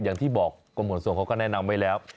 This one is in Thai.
อย่างที่บอกกรมขนส่งเขาก็แนะนำไว้แล้ว